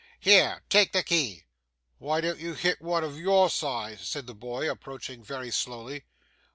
Here. Take the key.' 'Why don't you hit one of your size?' said the boy approaching very slowly.